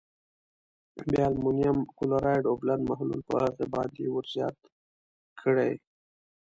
بیا المونیم کلورایډ اوبلن محلول په هغه باندې ور زیات کړئ.